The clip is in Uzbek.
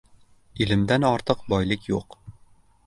• Ilmdan ortiq boylik yo‘q.